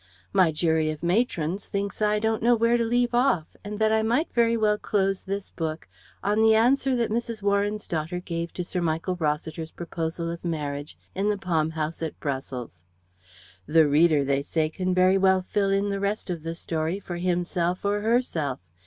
My jury of matrons thinks I don't know where to leave off and that I might very well close this book on the answer that Mrs. Warren's daughter gave to Sir Michael Rossiter's proposal of marriage in the Palm House at Brussels. "The reader," they say, "can very well fill in the rest of the story for himself or herself.